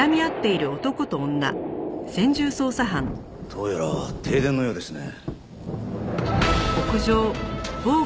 どうやら停電のようですね。